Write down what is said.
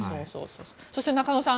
そして中野さん